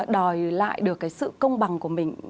đòi lại được cái sự công bằng của mình